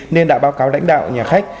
nên đã báo cáo lãnh đạo nhà khách